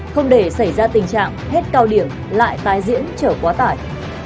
không để xảy ra tình trạng hết cao điểm lại tái diễn chở quá tải